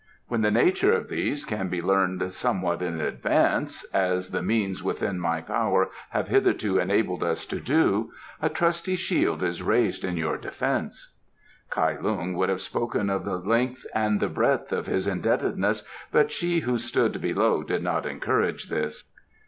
When the nature of these can be learned somewhat in advance, as the means within my power have hitherto enabled us to do, a trusty shield is raised in your defence." Kai Lung would have spoken of the length and the breadth of his indebtedness, but she who stood below did not encourage this.